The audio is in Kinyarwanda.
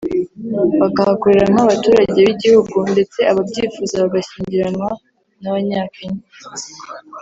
bakahakorera nk’abaturage b’igihugu ndetse ababyifuza bagashyingiranwa n’Abanyakenya